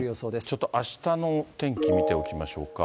ちょっとあしたの天気見ておきましょうか。